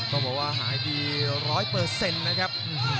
บอกว่าหายดีร้อยเปอร์เซ็นต์นะครับ